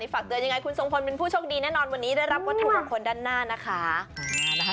พาก็อย่างไรคุณสงครเป็นผู้โชคดีแน่นอนวันนี้และรับเป้าทุกคนด้านหน้านะคะ